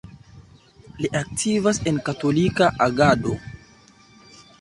Li aktivas en Katolika Agado.